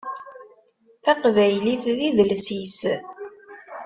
Taqbaylit d idles-is.